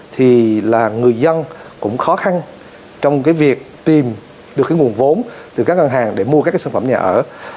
thì người dân cũng khó khăn trong việc tìm được nguồn vốn từ các ngân hàng để mua các sản phẩm nhà ở